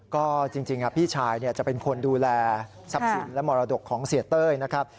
ก็จริงพี่ชายจะเป็นคนดูแลทรัพย์สินและมรดกของเสียเต้ยนะครับ